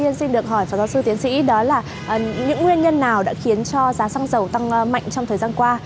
những nguyên nhân nào đã khiến cho giá xăng dầu tăng mạnh trong thời gian qua